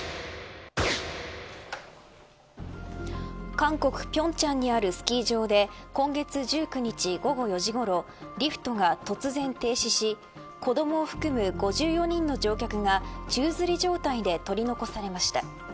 韓国、平昌にあるスキー場で今月１９日、午後４時ごろリフトが突然停止し子どもを含む５４人の乗客が宙づり状態で取り残されました。